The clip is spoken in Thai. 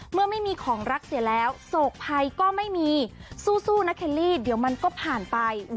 เมื่อไม่มีของรักเสียแล้วโศกภัยก็ไม่มีสู้นะเคลลี่เดี๋ยวมันก็ผ่านไป